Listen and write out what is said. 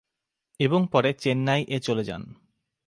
এবং পরে চেন্নাই এ চলে যান।